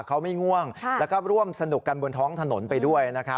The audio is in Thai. เขาไม่ง่วงแล้วก็ร่วมสนุกกันบนท้องถนนไปด้วย